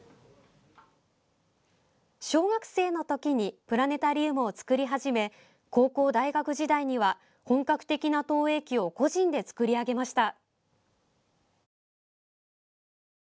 小学生の時にプラネタリウムを作り始め高校、大学時代には本格的な投影機を個人で作り上げました。